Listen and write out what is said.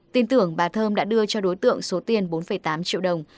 tin tưởng bà thơm đã đưa cho đối tượng số tiền bốn tám triệu đồng